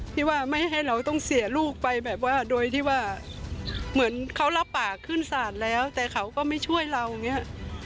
ที่ว่าไม่ให้เราต้องเสียลูกไปแบบว่าโดยที่ว่าเหมือนเขารับปากขึ้นศาลแล้วแต่เขาก็ไม่ช่วยเราอย่างนี้